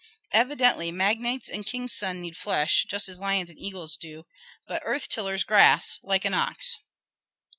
Evidently magnates and king's sons need flesh, just as lions and eagles do; but earth tillers grass, like an ox.